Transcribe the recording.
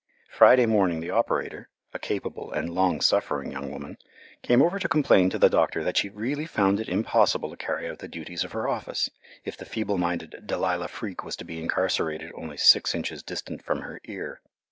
Friday morning the operator, a capable and long suffering young woman, came over to complain to the doctor that she really found it impossible to carry out the duties of her office, if the feeble minded Delilah Freak was to be incarcerated only six inches distant from her ear.